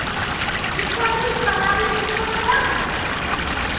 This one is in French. Ils arrivent par la rue du Pont-Notre-Dame!